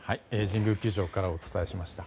神宮球場からお伝えしました。